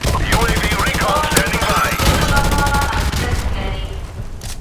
غوا د کروندګرو لپاره ارزښت لري.